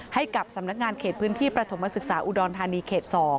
ให้กับสำนักงานเขตพื้นที่ประถมศึกษาอุดรธานีเขต๒